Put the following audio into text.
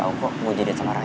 aku pengen ditemukan